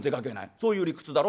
そういう理屈だろ？